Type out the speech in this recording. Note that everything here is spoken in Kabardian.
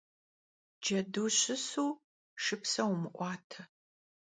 Cedu şısu şşıpse vumı'uate.